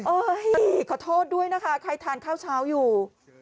ตำหนิขอโทษด้วยนะคะใครทานข้าวเช้าอยู่